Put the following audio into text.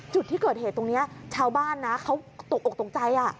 จุดที่เกิดเหตุตรงนี้ชาวบ้านนะเขาตกอกตกใจ